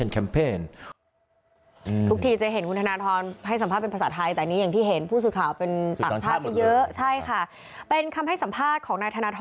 และมันไม่มีทางที่พวกเราจะพักเดียว